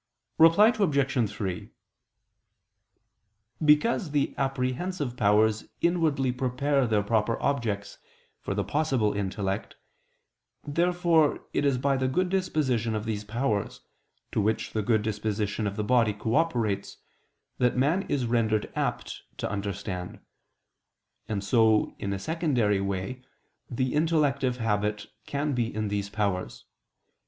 Reply Obj. 3: Because the apprehensive powers inwardly prepare their proper objects for the possible intellect, therefore it is by the good disposition of these powers, to which the good disposition of the body cooperates, that man is rendered apt to understand. And so in a secondary way the intellective habit can be in these powers.